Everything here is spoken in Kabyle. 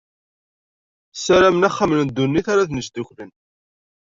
Ssaramen axxam n ddunit ara ten-yesduklen.